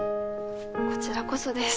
こちらこそです